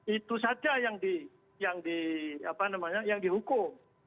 itu saja yang dihukum